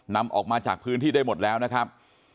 นำออกมาจากพื้นที่ได้หมดแล้วนะครับ